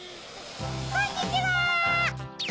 こんにちは！